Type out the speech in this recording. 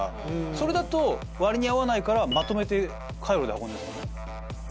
それだと割に合わないからまとめて海路で運んでいるんですもんね。